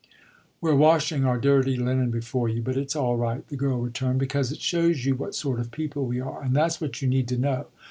"We're washing our dirty linen before you, but it's all right," the girl returned, "because it shows you what sort of people we are, and that's what you need to know.